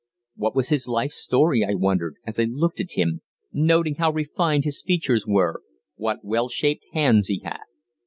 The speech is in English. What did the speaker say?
What was his life's story I wondered as I looked at him, noting how refined his features were, what well shaped hands he had.